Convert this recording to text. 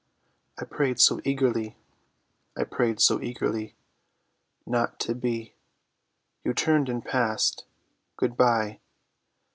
I prayed so eagerly. I prayed so eagerly— Not to be, You turned and passed. Good bye!